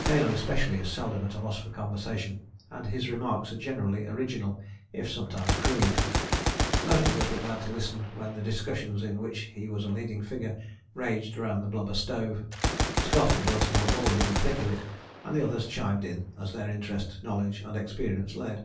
Taylor especially is seldom at a loss for conversation and his remarks are generally original, if sometimes crude. Most of us were glad to listen when the discussions in which he was a leading figure raged round the blubber stove. Scott and Wilson were always in the thick of it, and the others chimed in as their interest, knowledge and experience led.